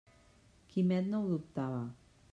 Quimet no ho dubtava.